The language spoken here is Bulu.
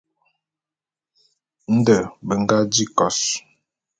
Nde be nga di kos.